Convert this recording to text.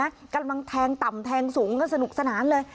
กำลังแทงต่ำแทงสูงก็สนุกสนานเลย